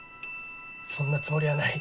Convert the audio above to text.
そんなつもりはない。